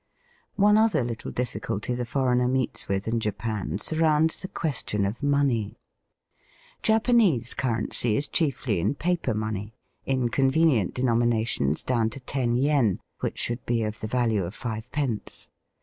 One other little difiSculty the foreigner meets with in Japan surrounds the question of money, Japanese currency is chiefly in paper money, in convenient denominations down to ten yen, which should be of the value of five pence.